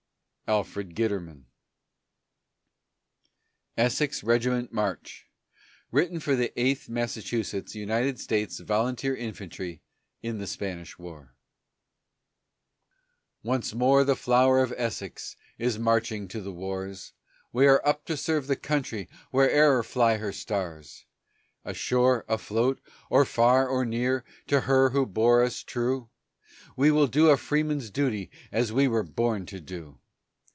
ARTHUR GUITERMAN. ESSEX REGIMENT MARCH WRITTEN FOR THE EIGHTH MASSACHUSETTS UNITED STATES VOLUNTEER INFANTRY IN THE SPANISH WAR Once more the Flower of Essex is marching to the wars; We are up to serve the Country wherever fly her Stars; Ashore, afloat, or far or near, to her who bore us true, We will do a freeman's duty as we were born to do.